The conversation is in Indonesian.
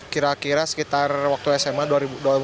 kira kira sekitar waktu sma dua ribu dua belas